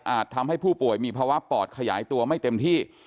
ทำให้ผู้ป่วยมีภาวะปอดขยายตัวไม่เต็มที่